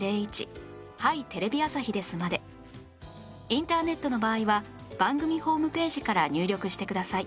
インターネットの場合は番組ホームページから入力してください